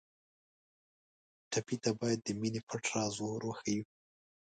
ټپي ته باید د مینې پټ راز ور وښیو.